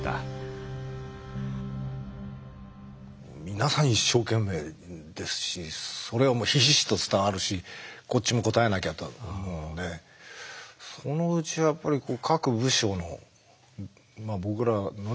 皆さん一生懸命ですしそれはもうひしひしと伝わるしこっちも応えなきゃと思うのでそのうちやっぱり各部署の僕らのね